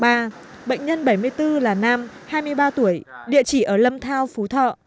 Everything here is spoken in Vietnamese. bệnh nhân bảy mươi bốn là nam hai mươi ba tuổi địa chỉ ở lâm thao phú thọ